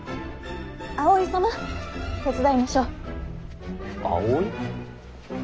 葵様手伝いましょう。